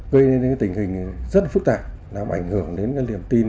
gây nên tình hình rất phức tạp làm ảnh hưởng đến liềm tin